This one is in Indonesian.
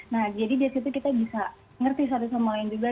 nah jadi dari situ kita bisa ngerti satu sama lain juga